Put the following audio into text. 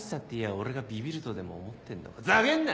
俺がビビるとでも思ってんのかざけんな！